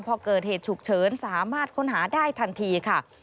พอเกิดเหตุฉุกเฉินสามารถค้นหาได้ทันทีค่ะ